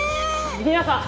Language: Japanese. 皆さん！